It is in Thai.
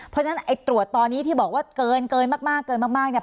เพราะฉะนั้นไอ้ตรวจตอนนี้ที่บอกว่าเกินมากเกินมากเนี่ย